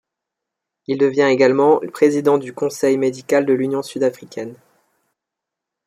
Il devient également président du conseil médical de l'Union Sud-Africaine.